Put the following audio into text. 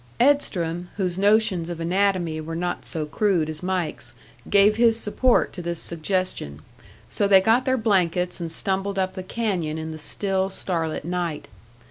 Edstrom, whose notions of anatomy were not so crude as Mike's, gave his support to this suggestion; so they got their blankets and stumbled up the canyon in the still, star lit night.